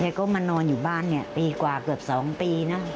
ก็มานอนอยู่บ้านเนี่ยปีกว่าเกือบ๒ปีนะ